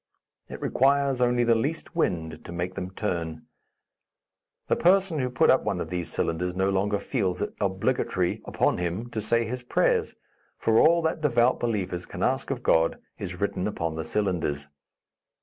It requires only the least wind to make them turn. The person who puts up one of these cylinders no longer feels it obligatory upon him to say his prayers, for all that devout believers can ask of God is written upon the cylinders.